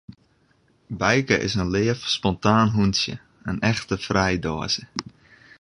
Bijke is in leaf, spontaan hûntsje, in echte frijdoaze.